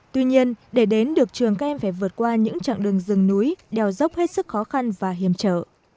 tuy nhiên để đến được trường các em phải vượt qua những chặng đường rừng núi đèo dốc hết sức khó khăn và hiểm trở